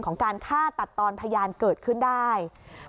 การฆ่าตัดตอนพยานเกิดขึ้นได้